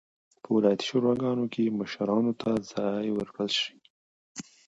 په ولایتي شوراګانو کې مشرانو ته ځای ورکړل شي.